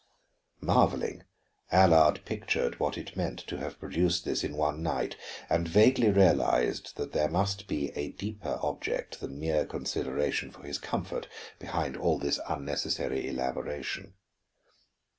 Marveling, Allard pictured what it meant to have produced this in one night; and vaguely realized that there must be a deeper object than mere consideration for his comfort, behind all this unnecessary elaboration.